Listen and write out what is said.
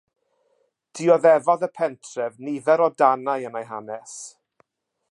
Dioddefodd y pentref nifer o danau yn ei hanes.